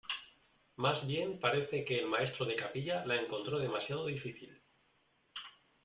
Más bien parece que el maestro de capilla la encontró demasiado difícil.